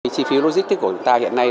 chi phí logistic của chúng ta hiện nay